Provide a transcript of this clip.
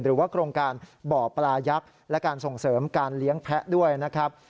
หรือว่าโครงการบ่อปลายักษ์และการส่งเสริมการเลี้ยงแพะด้วยนะครับ